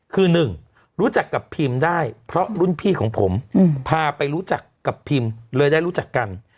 คือหนึ่งรู้จักกับพิมได้เพราะรุ่นพี่ของผมพาไปรู้จักกับพิมเลยได้รู้จักกัน